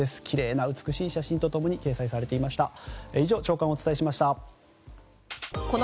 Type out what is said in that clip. きれいな美しい写真と共に掲載されていました。